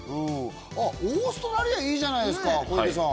オーストラリアいいじゃないですか小池さん。